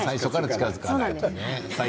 最初から近づかない。